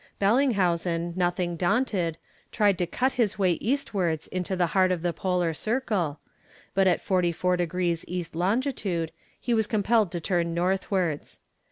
Bellinghausen, nothing daunted, tried to cut his way eastwards into the heart of the Polar Circle, but at 44 degrees E. long, he was compelled to return northwards.